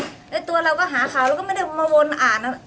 แล้วตัวเราก็หาข่าวเราก็ไม่ได้มาวนอ่าน